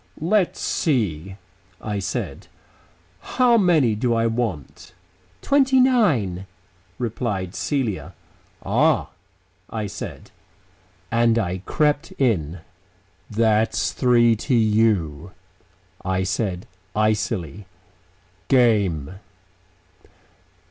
"Let's see," I said, "how many do I want?" "Twenty nine," replied Celia. "Ah," I said ... and I crept in. "That's three to you," I said icily. "Game."